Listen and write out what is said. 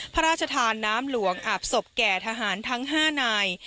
พระราชทานน้ำหลวงอาบศพแก่ทหารทั้ง๕นาย